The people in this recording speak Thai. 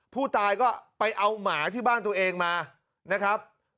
ผู้ตายก็ไปเอาหมาที่บ้านตัวเองมานะครับ